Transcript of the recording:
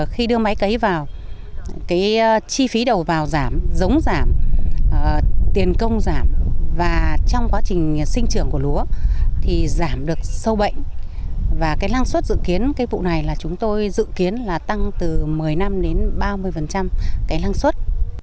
khi đưa máy cấy vào cái chi phí đầu vào giảm giống giảm tiền công giảm và trong quá trình sinh trưởng của lúa thì giảm được sâu bệnh và cái lăng suất dự kiến cái vụ này là chúng tôi dự kiến là tăng từ một mươi năm đến ba mươi cái lăng suất